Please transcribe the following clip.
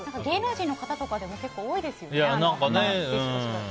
芸能人の方とかでも結構、多いですよね。